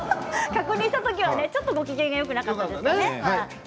確認した時はねちょっとご機嫌がよくなかったのかな？